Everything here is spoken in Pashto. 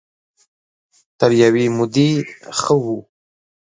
تر يوې مودې ښه وو.